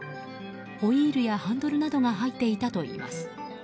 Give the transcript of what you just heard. ホイールやハンドルなどが入っていたといいます。